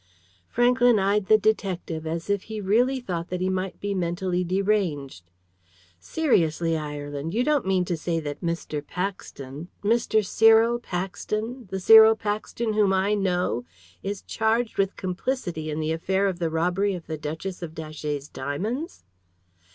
Franklyn eyed the detective as if he really thought that he might be mentally deranged. "Seriously, Ireland, you don't mean to say that Mr. Paxton Mr. Cyril Paxton the Cyril Paxton whom I know is charged with complicity in the affair of the robbery of the Duchess of Datchet's diamonds?"